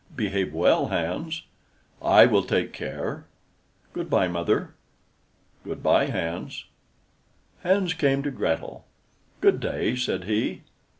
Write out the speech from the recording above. "Behave well, Hans." "I will take care; good by, mother." "Good by, Hans." Hans came to Grethel. "Good day," said he.